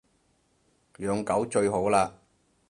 養狗最好喇